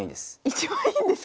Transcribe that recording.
一番いいんですか？